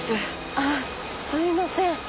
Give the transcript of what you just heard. ああすいません。